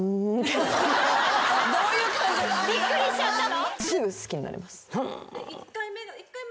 びっくりしちゃったの？